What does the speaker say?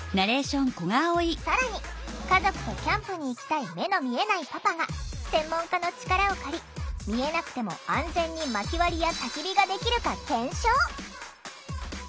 更に家族とキャンプに行きたい目の見えないパパが専門家の力を借り見えなくても安全に「まき割り」や「たき火」ができるか検証！